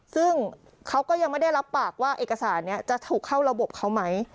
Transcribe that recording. ซึ่งเขาก็ยังไม่ได้รับปากว่าเอกสารนี้จะถูกเข้าระบบเขาไหม